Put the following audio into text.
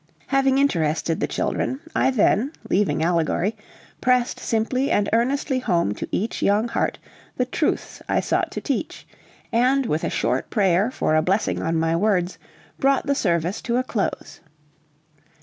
Having interested the children, I then, leaving allegory, pressed simply and earnestly home to each young heart the truths I sought to teach; and, with a short prayer for a blessing on my words, brought the service to a close.